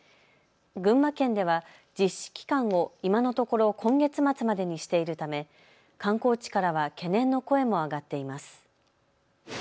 群馬県では実施期間を今のところ今月末までにしているため観光地からは懸念の声も上がっています。